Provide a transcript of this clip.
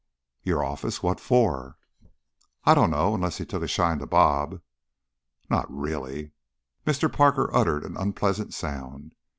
"Your office? What for?" "I dunno, unless he took a shine to 'Bob.'" "Not really?" Mr. Parker uttered an unpleasant sound.